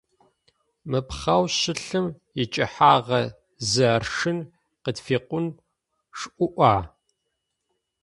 Мы пхъэу щылъым икӏыхьагъэ зы аршын, къытфикъун шӏуӏуа?